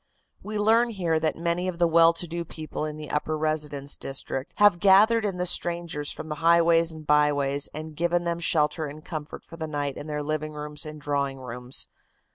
"We learn here that many of the well to do people in the upper residence district have gathered in the strangers from the highways and byways and given them shelter and comfort for the night in their living rooms and drawing rooms.